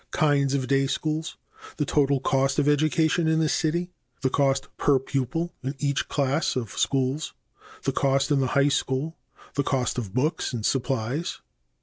Kinds of day schools. The total cost of education in the city. The cost per pupil in each class of schools. The cost in the high school. The cost of books and supplies.